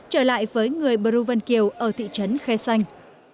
trở lại với người bru vân kiều ở thị trấn khe xanh